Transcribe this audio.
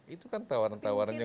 itu kan tawaran tawaran yang